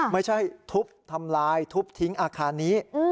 ไม่ใช่ทุบทำลายทุบทิ้งอาคารนี้